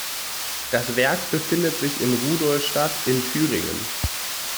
Das Werk befindet sich in Rudolstadt in Thüringen.